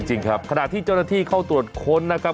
จริงครับขณะที่เจ้าหน้าที่เข้าตรวจค้นนะครับ